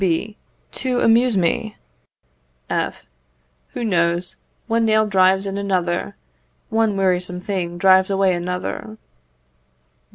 B. To amuse me? F. Who knows? One nail drives in another; one wearisome thing drives away another.